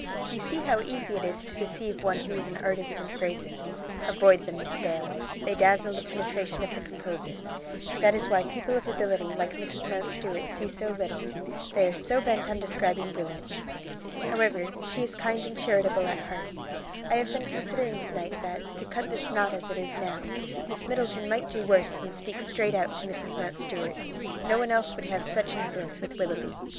"You see how easy it is to deceive one who is an artist in phrases. Avoid them, Miss Dale; they dazzle the penetration of the composer. That is why people of ability like Mrs Mountstuart see so little; they are so bent on describing brilliantly. However, she is kind and charitable at heart. I have been considering to night that, to cut this knot as it is now, Miss Middleton might do worse than speak straight out to Mrs. Mountstuart. No one else would have such influence with Willoughby.